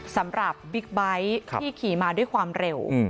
บิ๊กไบท์ที่ขี่มาด้วยความเร็ว